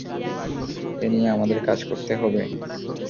এ নিয়ে আমাদের কাজ করতে হবে।